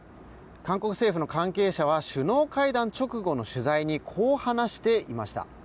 韓国政府の関係者は首脳会談直後の取材にこう話していました。